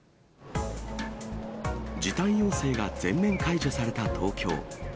時短要請が全面解除された東京。